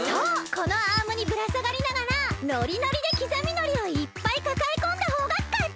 このアームにぶらさがりながらノリノリできざみ海苔をいっぱいかかえこんだほうがかち！